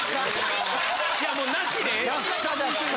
いやもうなしでええわ。